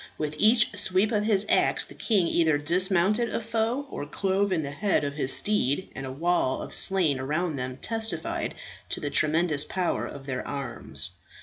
With each sweep of his axe the king either dismounted a foe or clove in the head of his steed, and a wall of slain around them testified to the tremendous power of their arms.